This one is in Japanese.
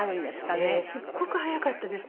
すごく早かったですね。